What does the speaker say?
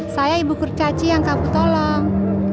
saya ibu kurcaci yang kamu tolong